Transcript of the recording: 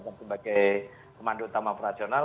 dan sebagai komando utama operasional